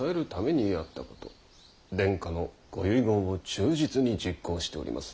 殿下のご遺言を忠実に実行しております。